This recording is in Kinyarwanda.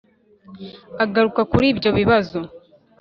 agaruka kuri ibyo bibazo